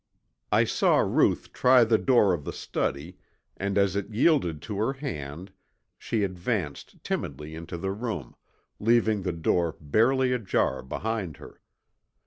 I saw Ruth try the door of the study and as it yielded to her hand she advanced timidly into the room, leaving the door barely ajar behind her.